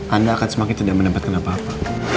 anda akan semakin tidak mendapatkan apa apa